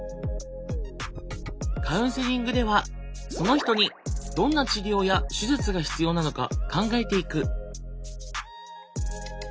カウンセリングではその人にどんな治療や手術が必要なのか考えていく。